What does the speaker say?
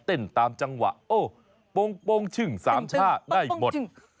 เต้นตามจังหวะโอ้ปงปงชึ้งสามช่าได้หมด